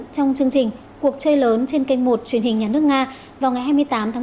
trong chương trình cuộc chơi lớn trên kênh một truyền hình nhà nước nga vào ngày hai mươi tám tháng một mươi